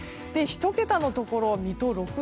１桁のところは水戸